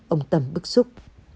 ông tâm bức xúc